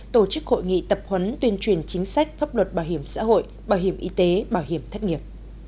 tổ chức hội nghị tập huấn tuyên truyền chính sách pháp luật bảo hiểm xã hội bảo hiểm y tế bảo hiểm thất nghiệp